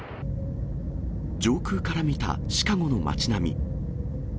上空から見たシカゴの町並み。